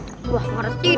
nggak ngerti dong